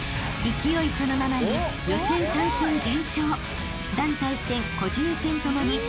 ［勢いそのままに予選３戦全勝］